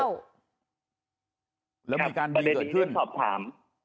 ประเด็นนี้ที่ได้สอบถาม